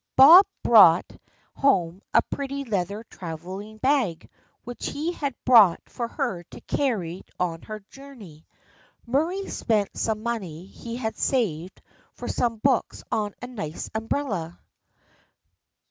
Bob brought 18 THE FRIENDSHIP OF ANNE home a pretty leather traveling bag which he had bought for her to carry on her journey, Murray spent some money he had saved for some books on a nice umbrella.